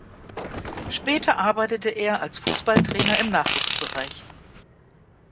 Später arbeitete er als Fußballtrainer im Nachwuchsbereich.